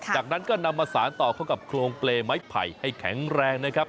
จากนั้นก็นำมาสารต่อเข้ากับโครงเปรย์ไม้ไผ่ให้แข็งแรงนะครับ